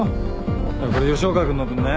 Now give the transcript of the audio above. じゃあこれ吉岡君の分ね。